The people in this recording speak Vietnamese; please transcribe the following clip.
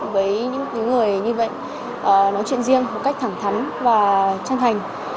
cháu sẽ nói chuyện với những người như vậy nói chuyện riêng một cách thẳng thắn và chân thành